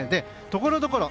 ところどころ